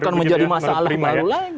akan menjadi masalah baru lagi